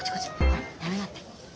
ほらやめなって。